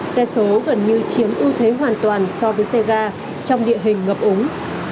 xe số gần như chiếm ưu thế hoàn toàn so với xe ga trong địa hình ngập ống